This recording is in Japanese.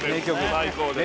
最高です